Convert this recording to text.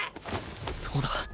そうだ